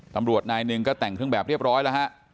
ตำรวจนายหนึ่งก็แต่งเครื่องแบบเรียบร้อยแล้วฮะ